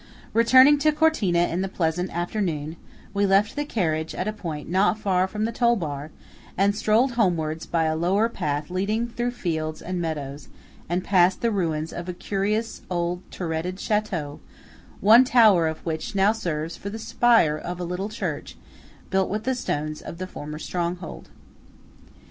Returning to Cortina in the pleasant afternoon, we left the carriage at a point not far from the toll bar, and strolled homewards by a lower path leading through fields and meadows and past the ruins of a curious old turreted château, one tower of which now serves for the spire of a little church built with the stones of the former stronghold.